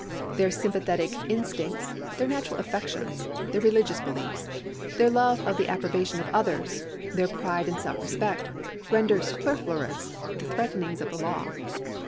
Their sympathetic instincts, their natural affections, their religious beliefs, their love of the approbation of others, then pride and self respect, render superfluous the threatenings of the law.